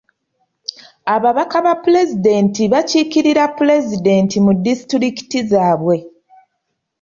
Ababaka ba pulezidenti bakiikirira pulezidenti mu disitulikiti zaabwe.